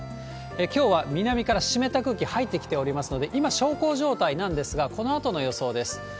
きょうは南から湿った空気入ってきていますので、今、小康状態なんですが、このあとの予想です。